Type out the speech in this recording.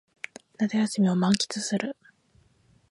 夏休みを満喫する